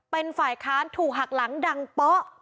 เป็นฝ่ายค้านถูกหักหลังดังโป๊ะ